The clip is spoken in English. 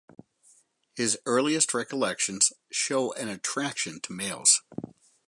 His earliest recollections show an attraction to males.